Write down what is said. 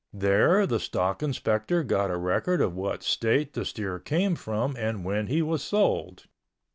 There the stock inspector got a record of what state the steer came from and when he was sold.